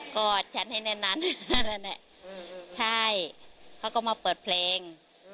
อดฉันให้แน่นนั้นใช่เขาก็มาเปิดเพลง